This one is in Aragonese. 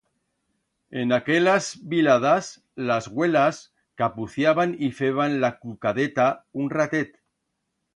En aquelas viladas, las güelas capuciaban y feban la clucadeta un ratet.